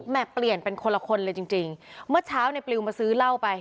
เปลี่ยนเป็นคนละคนเลยจริงจริงเมื่อเช้าในปลิวมาซื้อเหล้าไป